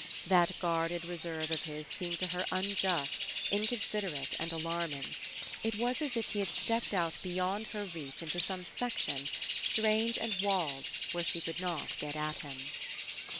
That guarded reserve of his seemed to her unjust. Inconsiderate, and alarming. It was as If he had stepped out be yond her reach into some section, strange and walled, where she could not get at him.